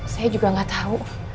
saya juga enggak tahu